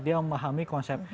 dia memahami konsep